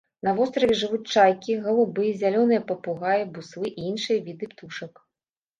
На востраве жывуць чайкі, галубы, зялёныя папугаі, буслы і іншыя віды птушак.